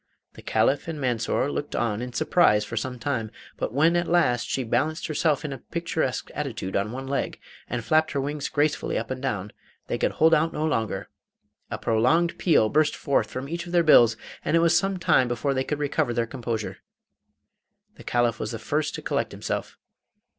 The Caliph and Mansor looked on in surprise for some time; but when at last she balanced herself in a picturesque attitude on one leg, and flapped her wings gracefully up and down, they could hold out no longer; a prolonged peal burst from each of their bills, and it was some time before they could recover their composure. The Caliph was the first to collect himself.